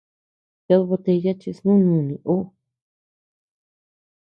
¡Ted botella chi snú nuni ú!